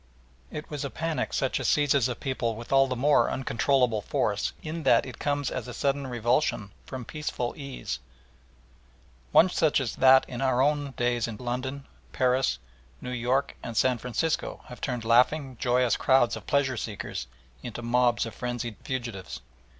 It was a panic such as seizes a people with all the more uncontrollable force in that it comes as a sudden revulsion from peaceful ease; one such as those that in our own days in London, Paris, New York, and San Francisco have turned laughing, joyous crowds of pleasure seekers into mobs of frenzied fugitives.